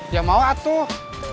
ya mau atuh